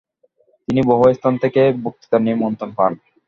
তিনি বহু স্থান থেকে বক্তৃতার নিমন্ত্রণ পান।